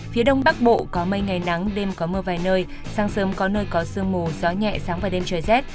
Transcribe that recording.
phía đông bắc bộ có mây ngày nắng đêm có mưa vài nơi sáng sớm có nơi có sương mù gió nhẹ sáng và đêm trời rét